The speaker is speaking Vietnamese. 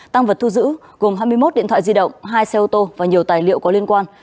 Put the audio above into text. tăng vật thu giữ gồm hai mươi một điện thoại di động hai xe ô tô và nhiều tài liệu có liên quan